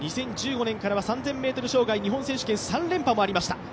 ２０１５年から３０００ｍ障害日本選手権連覇もありました。